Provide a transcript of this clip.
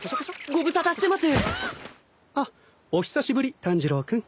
あっお久しぶり炭治郎君。